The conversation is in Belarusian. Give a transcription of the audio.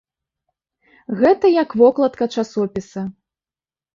Гэта як вокладка часопіса.